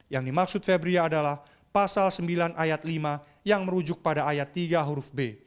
yang dimaksud febria adalah pasal sembilan ayat lima yang merujuk pada ayat tiga huruf b